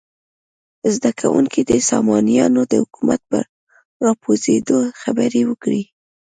زده کوونکي دې د سامانیانو د حکومت په راپرزېدو خبرې وکړي.